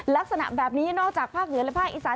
ลักษณะแบบนี้นอกจากภาคเหนือและภาคอีสาน